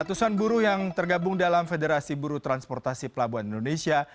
ratusan buruh yang tergabung dalam federasi buruh transportasi pelabuhan indonesia